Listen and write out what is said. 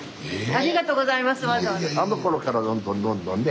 あのころからどんどんどんどんね。